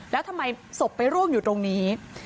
แล้วทำไมศพไปร่วงอยู่ตรงนี้